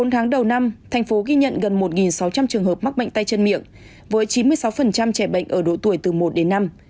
bốn tháng đầu năm thành phố ghi nhận gần một sáu trăm linh trường hợp mắc bệnh tay chân miệng với chín mươi sáu trẻ bệnh ở độ tuổi từ một đến năm